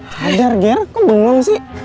kadar ger kok bengong sih